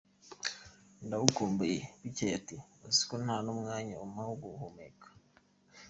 Ndagukumbuye…bucyeye ati Uziko nta numwanya umpa wo guhumeka.